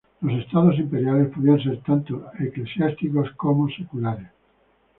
Los Estados Imperiales podían ser tanto eclesiásticos como seculares.